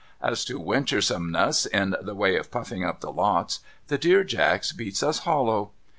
As to wenturesomeness in the way of puffing up the lots, the Dear Jacks beats us hollow.